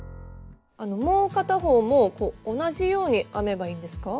もう片方も同じように編めばいいんですか？